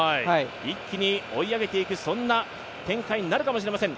一気に追い上げていく展開になるかもしれません。